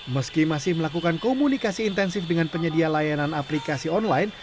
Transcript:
meski masih melakukan komunikasi intensif dengan penyedia layanan aplikasi online